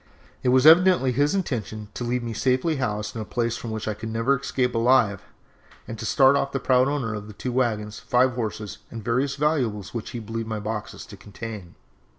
It was evidently his intention to leave me safely housed in a place from which I could never escape alive, and start off the proud owner of the two wagons, five horses, and various valuables which he believed my boxes to contain.